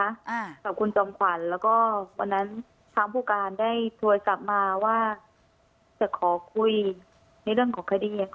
อ่ากับคุณจอมขวัญแล้วก็วันนั้นทางผู้การได้โทรกลับมาว่าจะขอคุยในเรื่องของคดี